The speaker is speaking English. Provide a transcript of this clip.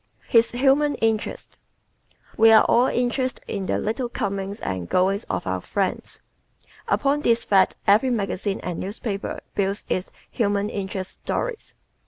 His "Human Interest" ¶ We are all interested in the little comings and goings of our friends. Upon this fact every magazine and newspaper builds its "human interest" stories.